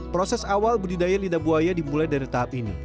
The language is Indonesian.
proses awal budidaya lidah buaya dimulai dari tahap ini